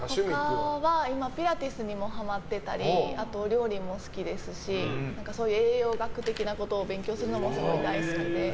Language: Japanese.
今、ピラティスにもハマっていたりあと、お料理も好きですし栄養学的なことを勉強するのもすごい大好きで。